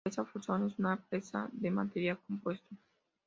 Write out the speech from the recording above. La Presa Folsom es una presa de material compuesto.